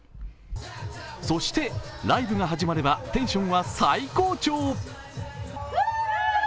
そしてライブが始まればテンションは最高潮。